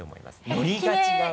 のりが違う。